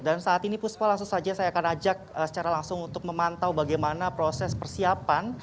dan saat ini puspa langsung saja saya akan ajak secara langsung untuk memantau bagaimana proses persiapan